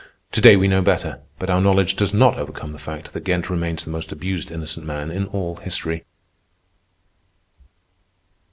To day we know better, but our knowledge does not overcome the fact that Ghent remains the most abused innocent man in all history.